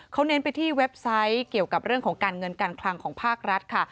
เขาเน้นไปที่เว็บไซต์เกี่ยวกับเรื่องของการเงินการคลังของภาครัฐค่ะ